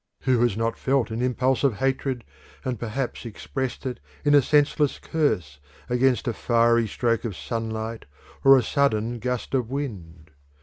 Who has not felt an impulse of hatred, and perhaps expressed it in a senseless curse, against a fiery stroke of sunlight or a sudden gust of wind?